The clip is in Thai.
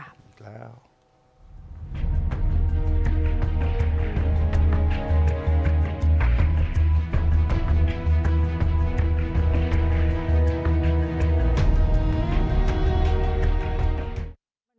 แล้ว